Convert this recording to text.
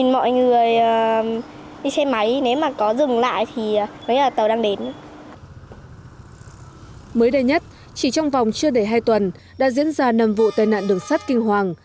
mới đây nhất chỉ trong vòng chưa đầy hai tuần đã diễn ra năm vụ tai nạn đường sắt kinh hoàng